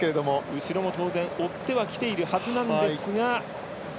後ろも当然追ってはきているはずなんですが。